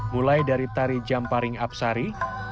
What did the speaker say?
mulai dari tari jamparing absari